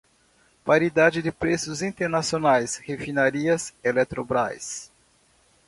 Paridade de preços internacionais, refinarias, Eletrobrás